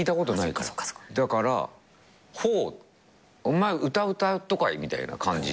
だから「ほうお前歌歌うとかい？」みたいな感じ。